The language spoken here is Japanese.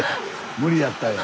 無理やったんや。